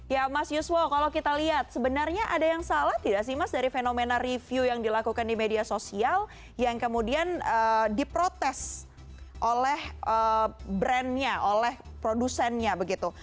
ya mas yuswo kalau kita lihat sebenarnya ada yang salah tidak sih mas dari fenomena review yang dilakukan di media sosial yang kemudian diprotes oleh brandnya oleh produsennya begitu